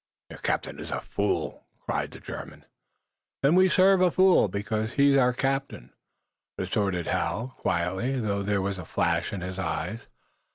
"Your captain is a fool!" cried the German. "Then we serve a fool, because he's our captain," retorted Hal, quietly, though there was a flash in his eyes.